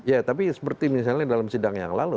ya tapi seperti misalnya dalam sidang yang lalu